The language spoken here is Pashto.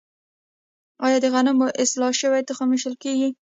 آیا د غنمو اصلاح شوی تخم ویشل کیږي؟